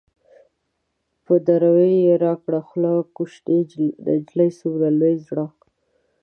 په دراوۍ يې راکړه خوله - کوشنی نجلۍ څومره لوی زړه